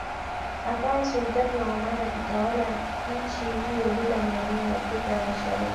Akawa Sultani wa Oman akitawala nchi hiyo bila maeneo ya Afrika ya Mashariki